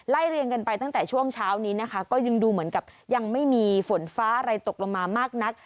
เรียงกันไปตั้งแต่ช่วงเช้านี้นะคะก็ยังดูเหมือนกับยังไม่มีฝนฟ้าอะไรตกลงมามากนัก